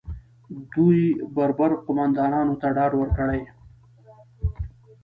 دوی بربر قومندانانو ته ډاډ ورکړي